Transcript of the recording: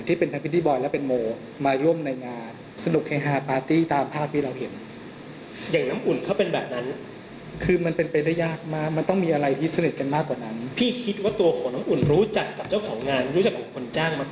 เราไม่จำเป็นต้องให้เดดไปแอดตศาธิณคนอื่นที่ไม่ใช่จ้าของเงิน